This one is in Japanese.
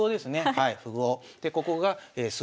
はい。